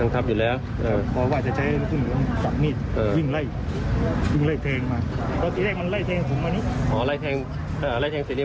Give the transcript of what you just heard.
ทำเครื่องไล่